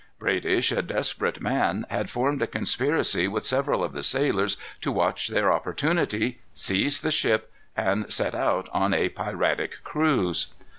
Bradish, a desperate man, had formed a conspiracy with several of the sailors to watch their opportunity, seize the ship, and set out on a piratic cruise.